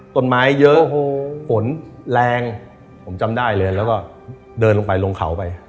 ต้นไม้เยอะฝนแรงผมจำได้เลยแล้วก็เดินลงไปลงเขาไป